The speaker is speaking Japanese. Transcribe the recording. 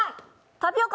タピオカ。